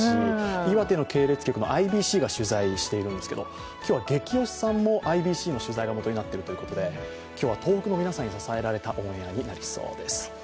岩手の系列局のＩＢＣが取材しているんですけど、今日はゲキ推しさんもＩＢＣの取材が基になっているということで、今日は東北の皆さんに支えられたオンエアになりそうです。